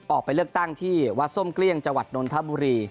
ออกไปเลือกตั้งที่วัดส้มเกลี้ยงจังหวัดนนทบุรี